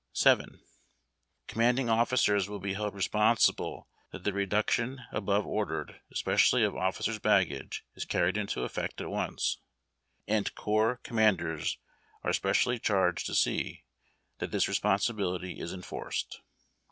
VII. Commanding officers will be held responsible that the reduction above ordered, especially of officers' baggage, is carried into effect at once, and Corps commanders are specially ciiarged to see that this responsibility is enforced.